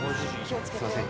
すいません